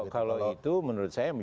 kalau itu menurut saya